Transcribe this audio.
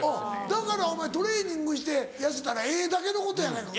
だからお前トレーニングして痩せたらええだけのことやないか。